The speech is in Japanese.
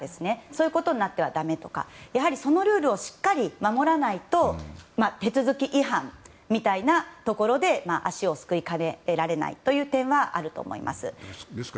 そういうことになってはだめとかやはりそのルールをしっかり守らないと手続き違反みたいなところで足をすくいかねられないところはあると思います。